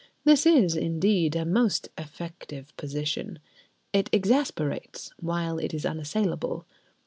This is indeed a most effective position: it exasperates, while it is unassailable.